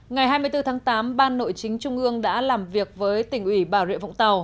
ngày hai mươi bốn tháng tám ban nội chính trung ương đã làm việc với tỉnh ủy bà rịa vũng tàu